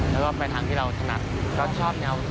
แล้วก็ไปทางที่เราถนัดก็ชอบแนว